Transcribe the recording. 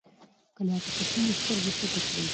که له حقیقتونو سترګې پټې کړئ.